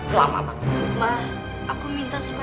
ya ini tentang apa